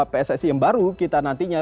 pssi yang baru kita nantinya